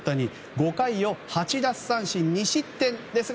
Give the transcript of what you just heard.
５回を８奪三振２失点ですが